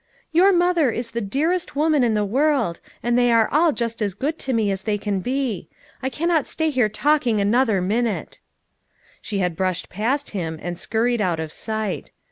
"Tour mother is the dearest woman in the world, and they are all just as good to me as they can be. I cannot stay here talking an other minute. " She had brushed past him and scurried out of sight.